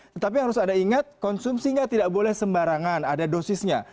tetapi harus ada ingat konsumsinya tidak boleh sembarangan ada dosisnya